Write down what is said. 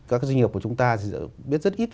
các doanh nghiệp của chúng ta thì đã biết rất ít